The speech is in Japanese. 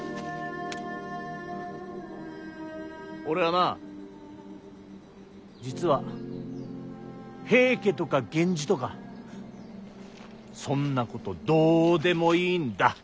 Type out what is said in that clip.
俺はな実は平家とか源氏とかそんなことどうでもいいんだ。